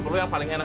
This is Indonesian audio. aduh panas ya